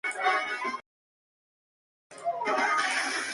Los usuarios se inscriben para estudiar uno o más idiomas.